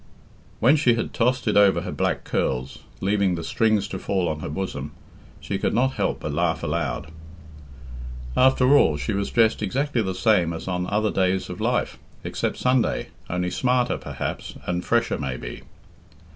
When she had tossed it over her black curls, leaving the strings to fall on her bosom, she could not help but laugh aloud. After all, she was dressed exactly the same as on other days of life, except Sunday, only smarter, perhaps, and fresher maybe.